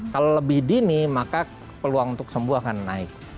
kalau lebih dini maka peluang untuk sembuh akan naik